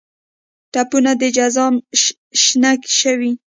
ټپونه د جزام شنه شوي